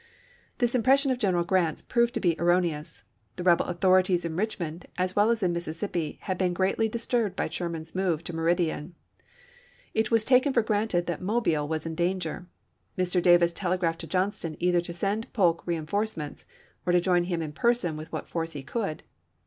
This impression of General Grant's proved to be erroneous. The rebel authorities in Richmond as well as in Mississippi had been greatly dis GRANT GENEEAL IN CHIEF 333 taken for granted that Mobile was in danger. Mr. Davis telegi'aphed to Johnston either to send Polk reenforcements or to join him in person with what force he could.